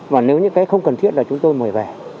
và nếu những cái không cần thiết là chúng tôi mời về